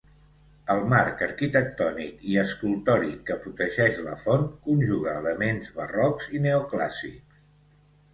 El marc arquitectònic i escultòric que protegeix la font conjuga elements barrocs i neoclàssics.